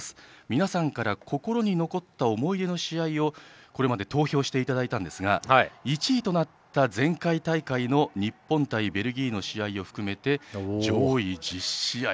皆さんから心に残った思い出の試合をこれまで投票していただいたんですが１位となった前回大会の日本対ベルギーの試合を含めて上位１０試合。